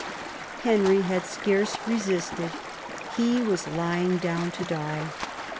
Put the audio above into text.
Henry had scarce resisted : he was lying down to die.